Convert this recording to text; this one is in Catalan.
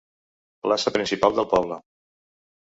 Plaça principal del poble.